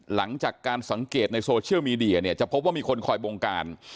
หลังจากการสังเกตในโซเชียลมีเดียเนี่ยจะพบว่ามีคนคอยบงการ